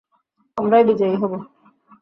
আমরাই বিজয়ী হব।